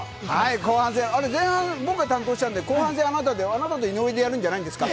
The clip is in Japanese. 後半戦、あれっ前半戦、僕が担当したんで後半戦あなたで、あなたと井上でやるんじゃないですか？